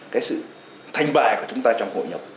cái sự thành bại của chúng ta trong hội nhập